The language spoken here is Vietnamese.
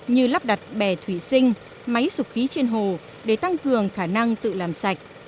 như lắp đặt bè thủy sinh máy sụp khí trên hồ để tăng cường khả năng tự làm sạch